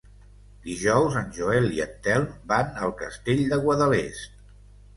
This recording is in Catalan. Dilluns en Joel i en Telm van al Castell de Guadalest.